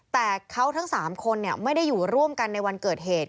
แต่เขาทั้ง๓คนไม่ได้อยู่ร่วมกันในวันเกิดเหตุ